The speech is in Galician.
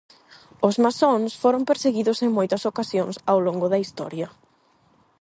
Os masóns foron perseguidos en moitas ocasións ao longo da historia.